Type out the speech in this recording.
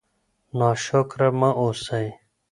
ناشکره مه اوسئ.